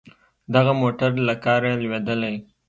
دغه موټر له کاره لوېدلی.